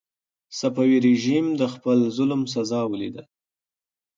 صفوي رژیم د خپل ظلم سزا ولیده.